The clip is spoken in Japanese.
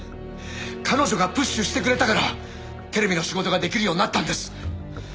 彼女がプッシュしてくれたからテレビの仕事ができるようになったんです。